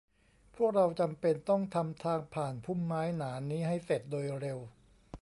พวกเราจำเป็นต้องทำทางผ่านพุ่มไม้หนานี้ให้เสร็จโดยเร็ว